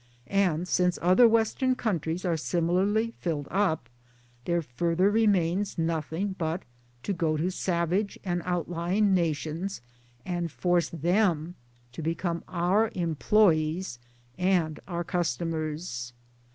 And since other Western countries are similarly filled up*, there further remains nothing but to go to savage and outlying nations and force them to become our employees and our customers.